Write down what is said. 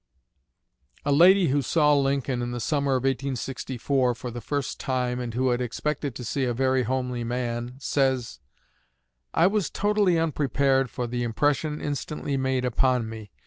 '" A lady who saw Lincoln in the summer of 1864 for the first time, and who had expected to see "a very homely man," says: "I was totally unprepared for the impression instantly made upon me.